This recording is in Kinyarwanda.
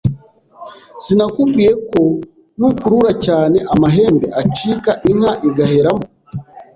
Sinakubwiye ko nukurura cyane amahembe acika inka igaheramo